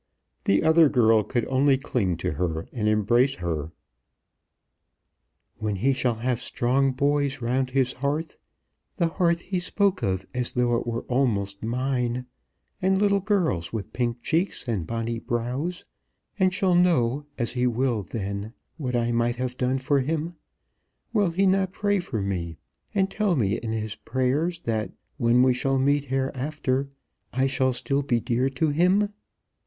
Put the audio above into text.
The other girl could only cling to her and embrace her. "When he shall have strong boys round his hearth, the hearth he spoke of as though it were almost mine, and little girls with pink cheeks and bonny brows, and shall know, as he will then, what I might have done for him, will he not pray for me, and tell me in his prayers that when we shall meet hereafter I shall still be dear to him?